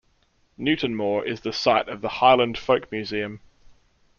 Newtonmore is the site of the Highland Folk Museum.